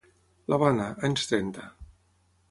L'Havana, anys trenta.